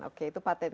oke itu paten